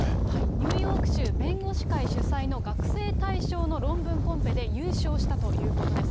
ニューヨーク州弁護士会主催の学生対象の論文コンペで優勝したということです。